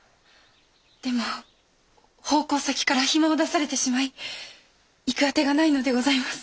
でも奉公先から暇を出されてしまい行く当てがないのでございます。